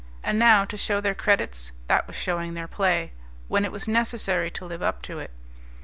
And now to show their credits that was showing their play, when it was necessary to live up to it.